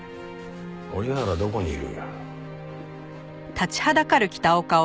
折原どこにいる？